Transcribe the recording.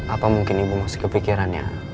apa mungkin ibu masih kepikiran ya